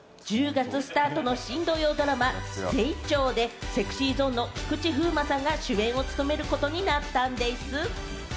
１０月スタートの新土曜ドラマ『ゼイチョー』でＳｅｘｙＺｏｎｅの菊池風磨さんが主演を務めることになったんでぃす。